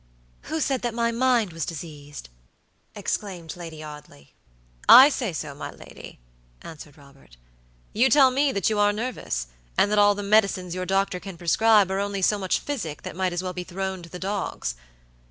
"Who said that my mind was diseased?" exclaimed Lady Audley. "I say so, my lady," answered Robert. "You tell me that you are nervous, and that all the medicines your doctor can prescribe are only so much physic that might as well be thrown to the dogs.